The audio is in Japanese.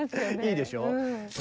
いいでしょ。